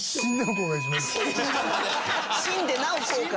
死んでなお後悔？